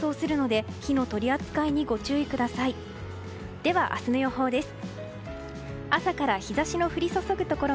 では、明日の予報です。